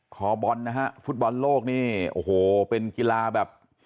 คอบอลนะฮะฟุตบอลโลกนี่โอ้โหเป็นกีฬาแบบ